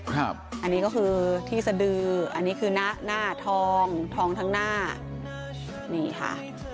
อันนี้ก็คือที่สดืออันนี้คือหน้าหน้าทองทองทั้งหน้านี่ค่ะ